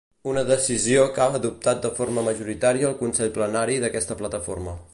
Una decisió que ha adoptat de forma majoritària el consell plenari d’aquesta plataforma.